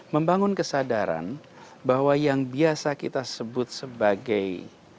membangun kesadaran bahwa yang biasa kita sebut sebagai